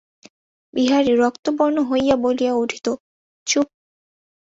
বিহারী রক্তবর্ণ হইয়া বলিয়া উঠিত, চুপ!